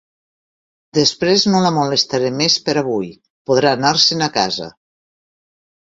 Després no la molestaré més per avui; podrà anar-se'n a casa.